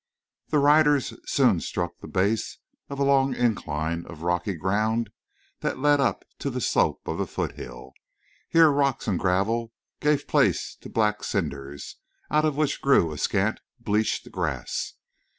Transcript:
The riders soon struck the base of a long incline of rocky ground that led up to the slope of the foothill. Here rocks and gravel gave place to black cinders out of which grew a scant bleached grass.